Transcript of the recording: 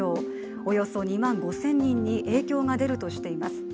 およそ２万５０００人に影響が出るとしています。